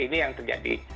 ini yang terjadi